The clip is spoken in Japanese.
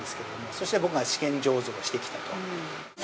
そして僕が試験醸造してきたと。